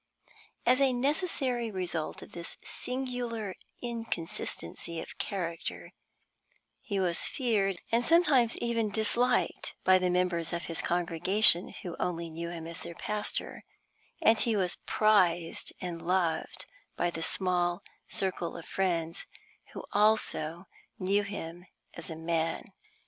As a necessary result of this singular inconsistency of character, he was feared, and sometimes even disliked, by the members of his congregation who only knew him as their pastor, and he was prized and loved by the small circle of friends who also knew him as a man.